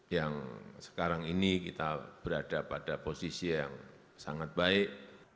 yang sekarang ini kita berada pada posisi yang sangat baik